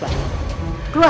masih mau berantem